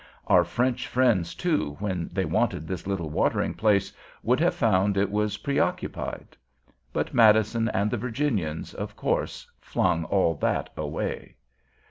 Our French friends, too, when they wanted this little watering place, would have found it was preoccupied. But Madison and the Virginians, of course, flung all that away.